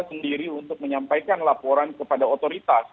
sendiri untuk menyampaikan laporan kepada otoritas